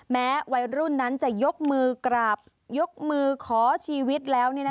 แม้วัยรุ่นนั้นจะยกมือกราบยกมือขอชีวิตแล้ว